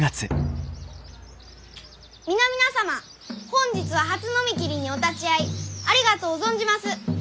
皆々様本日は初呑み切りにお立ち会いありがとう存じます。